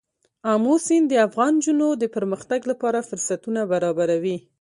آمو سیند د افغان نجونو د پرمختګ لپاره فرصتونه برابروي.